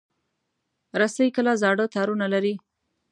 رسۍ کله زاړه تارونه لري.